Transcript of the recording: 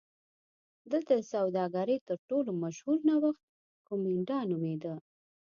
دلته د سوداګرۍ تر ټولو مشهور نوښت کومېنډا نومېده